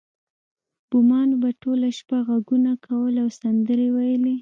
بومانو به ټوله شپه غږونه کول او سندرې ویلې